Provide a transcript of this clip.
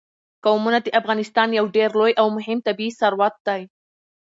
قومونه د افغانستان یو ډېر لوی او مهم طبعي ثروت دی.